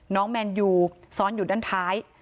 แมนยูซ้อนอยู่ด้านท้าย